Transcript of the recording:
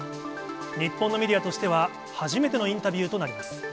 日本のメディアとしては初めてのインタビューとなります。